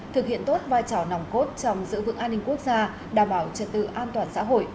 thực hiện tốt vai trò nòng cốt trong giữ vững an ninh quốc gia đảm bảo trật tự an toàn xã hội